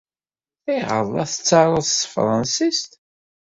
Ayɣer ay la tettaruḍ s tefṛensist?